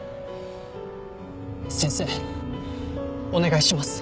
先生お願いします